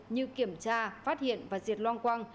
như kiểm tra phát hiện và diệt loang quang